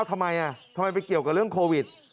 ทำไมทำไมไปเกี่ยวกับเรื่องโควิด